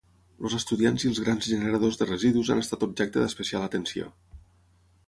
Els estudiants i els grans generadors de residus han estat objecte d’especial atenció.